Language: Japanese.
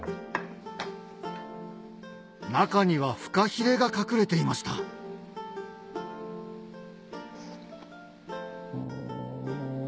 中にはフカヒレが隠れていましたうん。